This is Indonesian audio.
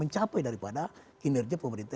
mencapai daripada kinerja pemerintah